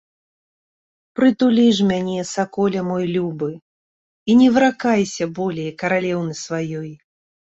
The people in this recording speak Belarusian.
Прытулі ж мяне, саколе мой любы, і не выракайся болей каралеўны сваёй!